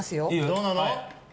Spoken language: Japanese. どうなの？